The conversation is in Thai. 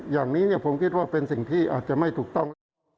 อย่างนี้ผมคิดว่าเป็นสิ่งที่อาจจะไม่ถูกต้อง